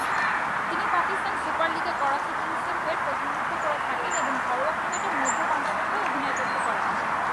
তিনি পাকিস্তান সুপার লীগ-এ করাচি কিংস এর হয়ে প্রতিনিধিত্ব করে থাকেন এবং ঘরোয়া ক্রিকেটে মধ্য পাঞ্জাবের হয়ে অধিনায়কত্ব করেন।